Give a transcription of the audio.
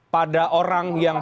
pada orang yang